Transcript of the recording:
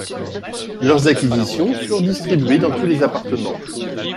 Leurs acquisitions furent distribuées dans tous les appartements.